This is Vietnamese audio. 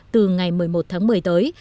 từ ngày một mươi một tháng một mươi tới